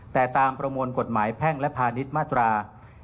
แต่ตามประมวลกฎหมายแพ่งและพาณิชย์มาตรา๑๕